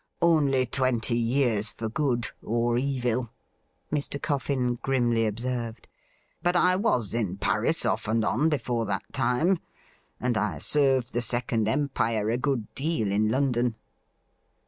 ' Only twenty years for good — or evil,' Mr. Coffin grimly observed ;' but I was in Paris off and on before that time, and I served the Second Empire a good deal in London.'